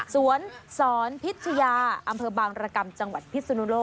สวรรค์สอนพิธาปรากฏาาอำเภอบางรกรรมจังหวัดพิศนุโร